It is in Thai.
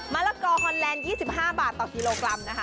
ละกอฮอนแลนด์๒๕บาทต่อกิโลกรัมนะคะ